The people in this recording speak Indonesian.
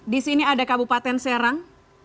di sini ada kabupaten serang